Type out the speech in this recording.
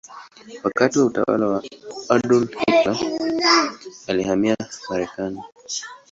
Wakati wa utawala wa Adolf Hitler alihamia Marekani.